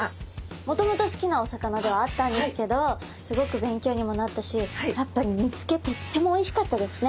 もともと好きなお魚ではあったんですけどすごく勉強にもなったしやっぱり煮つけとってもおいしかったですね。